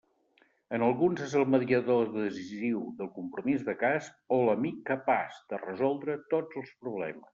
En alguns és el mediador decisiu del Compromís de Casp o l'amic capaç de resoldre tots els problemes.